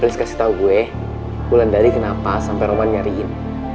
tih please kasih tau gue wulan dari kenapa sampai roman nyariin